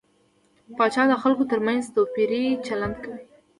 پاچا د خلکو تر منځ توپيري چلند کوي .